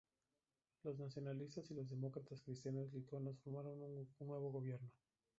Los nacionalistas y los Demócratas Cristianos Lituanos formaron un nuevo gobierno.